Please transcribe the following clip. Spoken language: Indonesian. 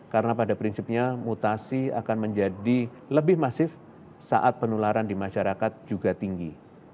karena pada prinsipnya mutasi akan menjadi lebih masif saat penularan di masyarakat juga tinggi